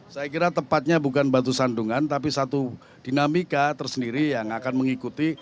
saya kira tepatnya bukan batu sandungan tapi satu dinamika tersendiri yang akan mengikuti